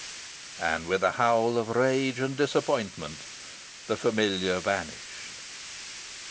And with a howl of rage and disappointment the familiar vanished.